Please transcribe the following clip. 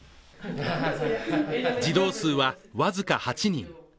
児童数は僅か８人。